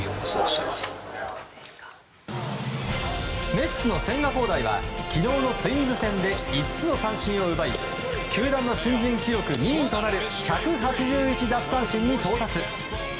メッツの千賀滉大は昨日のツインズ戦で５つの三振を奪い球団の新人記録２位となる１８１奪三振に到達。